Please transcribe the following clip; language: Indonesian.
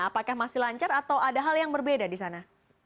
apakah masih lancar atau ada hal yang berbeda di sana